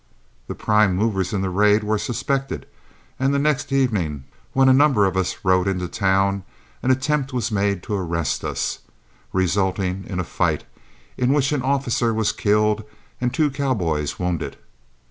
The prime movers in the raid were suspected, and the next evening when a number of us rode into town an attempt was made to arrest us, resulting in a fight, in which an officer was killed and two cowboys wounded.